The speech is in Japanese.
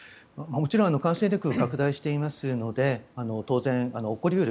もちろん感染力が拡大していますので当然、起こり得る。